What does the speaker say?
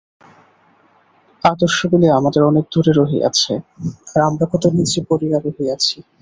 আদর্শগুলি আমাদের অনেক দূরে রহিয়াছে, আর আমরা কত নীচে পড়িয়া রহিয়াছি।